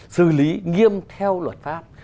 xử lý nghiêm theo luật pháp